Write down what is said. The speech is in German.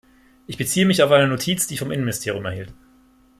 Ich beziehe mich auf eine Notiz, die ich vom Innenministerium erhielt.